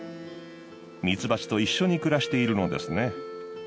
ミツバチと一緒に暮らしているのですね。